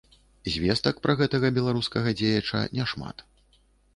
Звестак пра гэтага беларускага дзеяча няшмат.